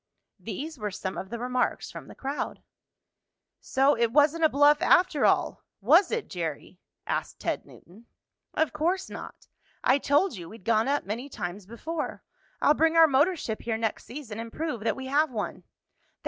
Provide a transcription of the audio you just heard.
These were some of the remarks from the crowd. "So, it wasn't a bluff after all; was it, Jerry?" asked Ted Newton. "Of course not. I told you we'd gone up many times before. I'll bring our motor ship here next season, and prove that we have one."